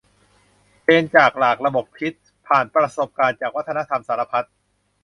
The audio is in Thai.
เทรนจากหลากระบบคิด ผ่านประสบการณ์จากวัฒนธรรมสารพัด